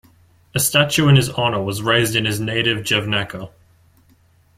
A statue in his honor was raised in his native Jevnaker.